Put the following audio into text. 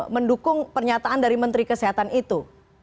mendukung pernyataan dari menteri kesehatan itu